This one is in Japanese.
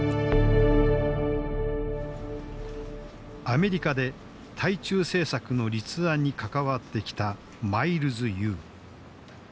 アメリカで対中政策の立案に関わってきた余茂春。